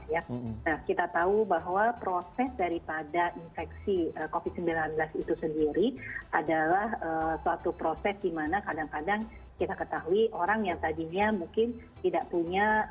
nah kita tahu bahwa proses daripada infeksi covid sembilan belas itu sendiri adalah suatu proses di mana kadang kadang kita ketahui orang yang tadinya mungkin tidak punya